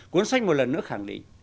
cuốn sách một lần nữa khẳng định